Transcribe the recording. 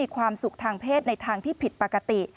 ความสุขทางเพศในทางที่ผิดปกติ